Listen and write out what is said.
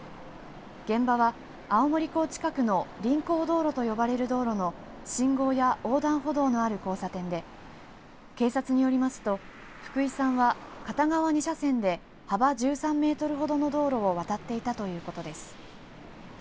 現場は、青森港近くの臨港道路と呼ばれる道路の信号や横断歩道のある交差点で警察によりますと福井さんは片側２車線で幅１３メートルほどの道路を渡っていたということです。